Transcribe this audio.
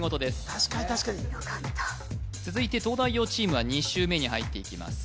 確かに確かによかった続いて東大王チームは２周目に入っていきます